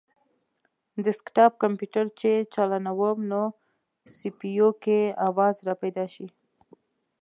ډیسکټاپ کمپیوټر چې چالانووم نو سي پي یو کې اواز راپیدا شي